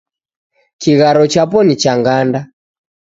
Kigharo chapo ni cha ng'anda